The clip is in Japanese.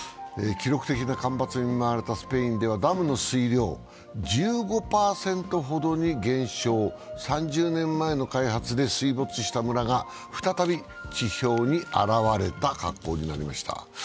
記録的な干ばつに見舞われたスペインではダムの水量が１５％ほどに減少、３０年前の開発で水没した村が再び地表に現れた格好になりました。